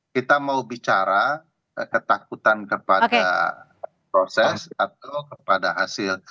kita mau bicara ketakutan kepada proses atau kepada hasil